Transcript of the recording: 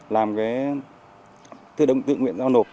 làm cái tự nguyện giao nộp